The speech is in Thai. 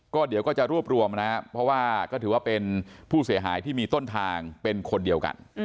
ก็เดี๋ยวก็จะรวบรวมนะครับเพราะว่าก็ถือว่าเป็นผู้เสียหายที่มีต้นทางเป็นคนเดียวกัน